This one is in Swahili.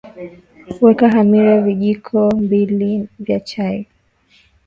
Weka hamira vijiko mbili vya chai